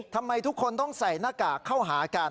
ทำไมทุกคนต้องใส่หน้ากากเข้าหากัน